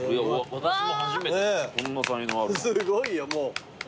すごいよもう。